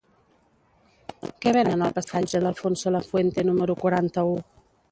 Què venen al passatge d'Alfonso Lafuente número quaranta-u?